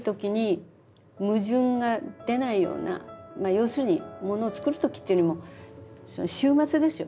要するにものを作るときっていうよりもその終末ですよね。